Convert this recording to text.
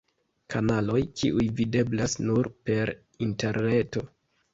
Kanaloj kiuj videblas nur per Interreto.